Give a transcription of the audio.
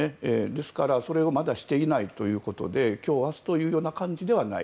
ですから、それをまだしていないということで今日明日というような感じではない。